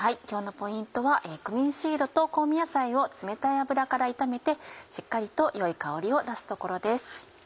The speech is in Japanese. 今日のポイントはクミンシードと香味野菜を冷たい油から炒めてしっかりと良い香りを出すところです。